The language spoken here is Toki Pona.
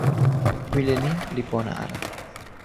wile ni li pona ala.